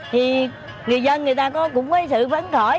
thì người dân người ta cũng có sự vấn khỏi